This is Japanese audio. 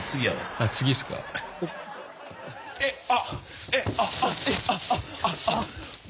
あっあっ。